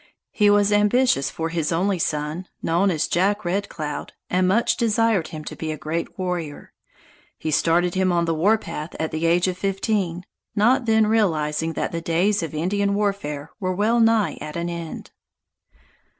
He was ambitious for his only son, known as Jack Red Cloud, and much desired him to be a great warrior. He started him on the warpath at the age of fifteen, not then realizing that the days of Indian warfare were well nigh at an end.